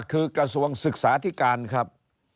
คือกระทรวงศึกษาธิการครับ